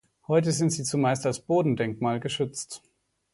Heute sind sie zumeist als Bodendenkmal geschützt.